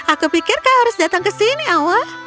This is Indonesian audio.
aku pikir kau harus datang ke sini awal